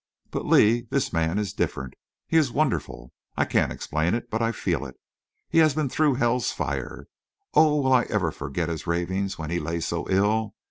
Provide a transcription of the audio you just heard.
But, Lee, this man is different. He is wonderful. I can't explain it, but I feel it. He has been through hell's fire. Oh! will I ever forget his ravings when he lay so ill?